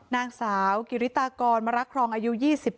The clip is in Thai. นางสาวกิริตากรมรักครองอายุ๒๗